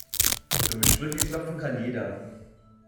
Dumme Sprüche klopfen kann jeder.